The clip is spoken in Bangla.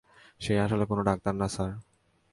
সে আসলে কোনো ডাক্তার না, স্যার।